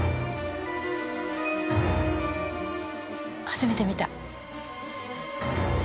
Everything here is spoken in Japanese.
初めて見た。